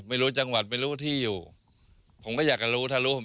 ไม่รู้จังหวัดไม่รู้ที่อยู่ผมก็อยากจะรู้ถ้ารู้